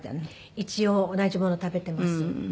一応同じもの食べてます。